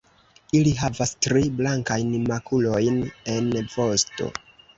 Ili havas tri blankajn makulojn en vosto.